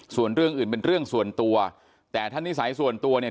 ส่วนเรื่องอื่นเป็นเรื่องส่วนตัวแต่ถ้านิสัยส่วนตัวเนี่ย